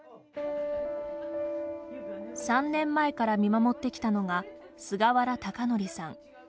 ３年前から見守ってきたのが菅原尚典さん。